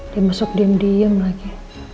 dia masuk diem diem lagi